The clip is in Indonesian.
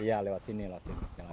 iya lewat sini lah